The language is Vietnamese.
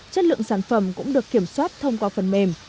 chất lượng sản phẩm cũng được kiểm soát thông qua phần mềm